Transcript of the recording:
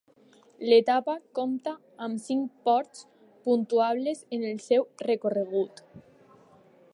L'etapa compta amb cinc ports puntuables en el seu recorregut.